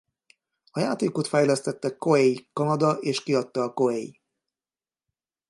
A játékot fejlesztette Koei Canada és kiadta a Koei.